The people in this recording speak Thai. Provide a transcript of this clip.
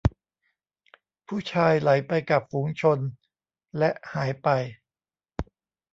ผู้ชายไหลไปกับฝูงชนและหายไป